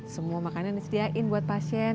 semua makanan disediakan buat pasien